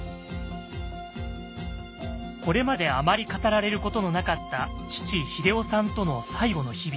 これまであまり語られることのなかった父英夫さんとの最後の日々。